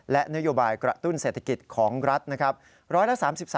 และนโยบายกระตุ้นเศรษฐกิจของรัฐนะครับ